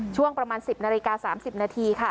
ช่วงประมาณ๑๐นาฬิกา๓๐นาทีค่ะ